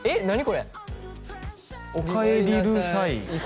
これ「おかえりるさい」